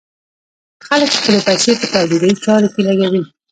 خلک خپلې پيسې په تولیدي چارو کې لګوي.